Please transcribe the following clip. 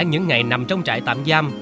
những ngày nằm trong trại tạm giam